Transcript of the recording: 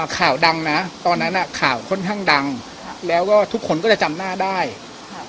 ข่าวดังนะตอนนั้นอ่ะข่าวค่อนข้างดังแล้วก็ทุกคนก็จะจำหน้าได้ค่ะ